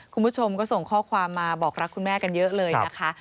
คุณผู้ชมก็ส่งข้อความมาบอกรักคุณแม่กันเยอะเลยนะคะ